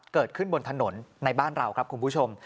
เกิดขึ้นบนถนนในบ้านเราครับคุณผู้ชม